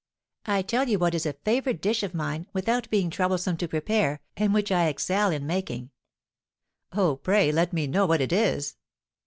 I tell you what is a favourite dish of mine, without being troublesome to prepare, and which I excel in making." "Oh, pray let me know what it is?"